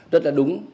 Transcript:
rất là đúng